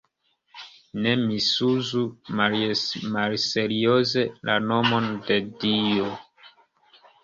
Ne misuzu malserioze la nomon de Dio.